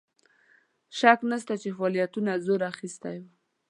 شک نسته چې فعالیتونو زور اخیستی وو.